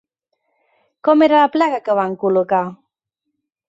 Com era la placa que van col·locar?